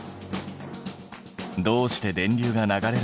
どうして電流が流れるのか探究せよ！